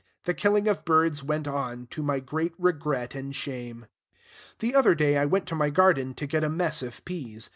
The killing of birds went on, to my great regret and shame. The other day I went to my garden to get a mess of peas.